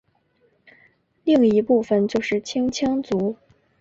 另一部分就是青羌族。